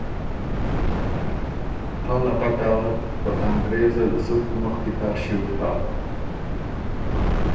تَۀ ل ا پته اغک که ا انګرېزل زُت مُخکی تر ݭیوک هۀ